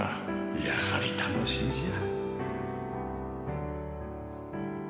やはり楽しみじゃ